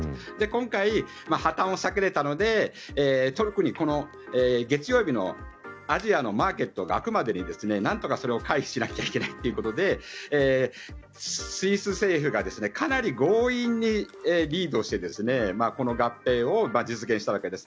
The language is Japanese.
今回、破たんを避けられたので特にこの月曜日のアジアのマーケットが開くまでになんとかそれを回避しなきゃいけないということでスイス政府がかなり強引にリードしてこの合併を実現したわけです。